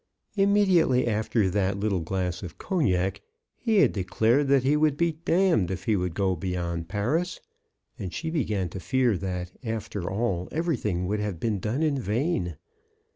Immediately after that little glass of cognac he had declared that he would be if he would go beyond Paris, and she began to fear that, after all, everything would have been done in vain.